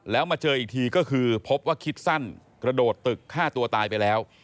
แล้วมาเจออีกทีก็คือพบว่าคิดสั้นกระโดดตึกฆ่าตัวตายไปแล้ว